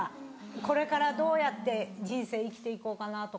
これからどうやって人生生きていこうかなとか。